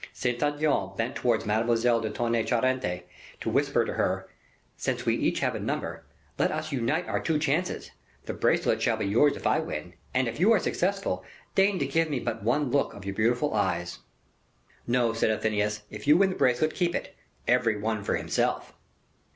Saint Aignan bent towards Mademoiselle de Tonnay Charente to whisper to her, "Since we have each a number, let us unite our two chances. The bracelet shall be yours if I win, and if you are successful, deign to give me but one look of your beautiful eyes." "No," said Athenais, "if you win the bracelet, keep it, every one for himself."